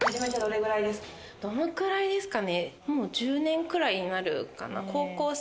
どのくらいですかね。